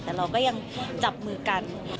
แต่เราก็ยังจับมือกัน